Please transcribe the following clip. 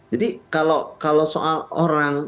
jadi kalau soal orang